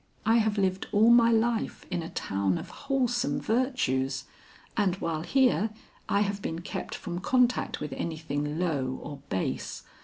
I have lived all my life in a town of wholesome virtues, and while here I have been kept from contact with anything low or base.